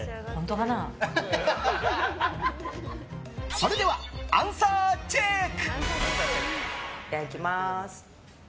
それでは、アンサーチェック！